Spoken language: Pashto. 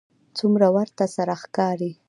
څومره ورته سره ښکاري